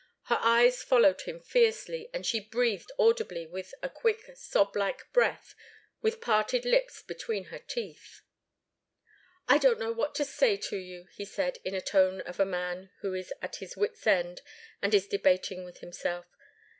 Her eyes followed him fiercely, and she breathed audibly with a quick, sob like breath, with parted lips, between her teeth. "I don't know what to say to you," he said, in a tone of a man who is at his wit's end and is debating with himself.